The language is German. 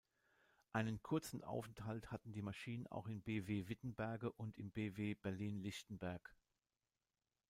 Einen kurzen Aufenthalt hatten die Maschinen auch im Bw Wittenberge und im Bw Berlin-Lichtenberg.